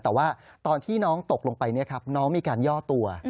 แต่ว่าตอนที่น้องตกลงไปน้องมีการย่อตัว